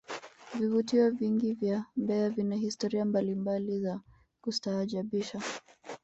vivutio vingi vya mbeya vina historia mbalimbali za kustaajabisha